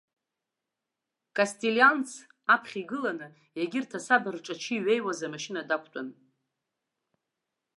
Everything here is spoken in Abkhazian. Кастелианц, аԥхьа игыланы, егьырҭ асаба рҿарчы иҩеиуаз амашьына дақәтәан.